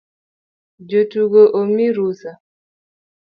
Jotugo omii rusa